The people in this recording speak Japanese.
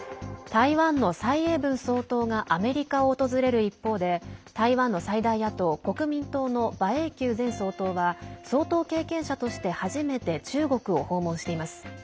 台湾の蔡英文総統がアメリカを訪れる一方で台湾の最大野党・国民党の馬英九前総統は総統経験者として初めて中国を訪問しています。